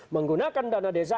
menggunakan dana desa